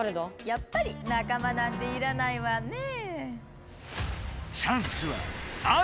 やっぱり仲間なんていらないわね。